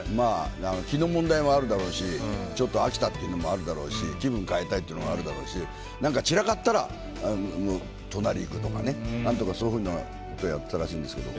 気の問題もあるだろうし飽きたというのもあるだろうし気分を変えたいというのもあるだろうし、散らかったら隣に行くとかね、そういうことやってたらしいんですけど。